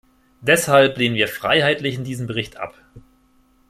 Deshalb lehnen wir Freiheitlichen diesen Bericht ab.